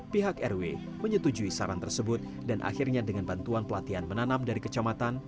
pihak rw menyetujui saran tersebut dan akhirnya dengan bantuan pelatihan menanam dari kecamatan